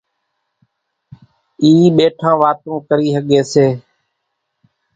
اِي ٻيٺان واتون ڪري ۿڳي سي۔